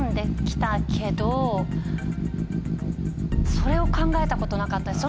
それを考えたことなかったです。